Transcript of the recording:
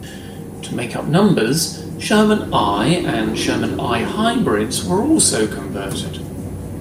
To make up numbers, Sherman I and Sherman I Hybrids were also converted.